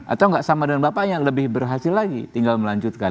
atau nggak sama dengan bapaknya lebih berhasil lagi tinggal melanjutkan